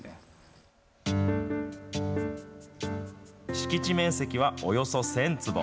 敷地面積はおよそ１０００坪。